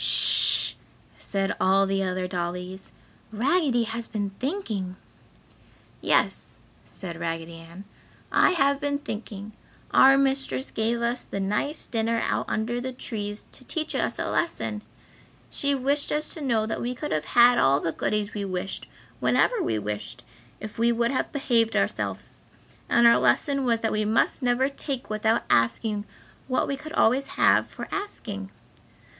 "Sh!" said all the other dollies, "Raggedy has been thinking!" "Yes," said Raggedy Ann, "I have been thinking; our mistress gave us the nice dinner out under the trees to teach us a lesson. She wished us to know that we could have had all the goodies we wished, whenever we wished, if we had behaved ourselves. And our lesson was that we must never take without asking what we could always have for the asking!